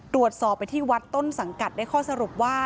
ตรวจสอบไปที่วัดต้นสังกัดได้ข้อสรุปว่า